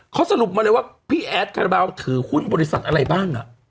เขาสรุปมาเลยว่าพี่แอดคาราบาลถือหุ้นบริษัทอะไรบ้าง